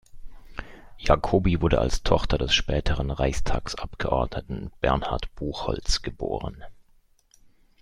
Jacobi wurde als Tochter des späteren Reichstagsabgeordneten Bernhard Buchholz geboren.